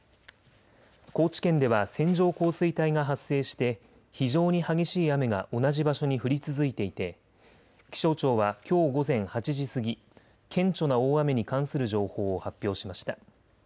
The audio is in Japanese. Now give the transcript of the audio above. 高知県では線状降水帯が発生して非常に激しい雨が同じ場所に降り続いていて気象庁はきょう午前８時過ぎ顕著な大雨に関する情報を発表しました。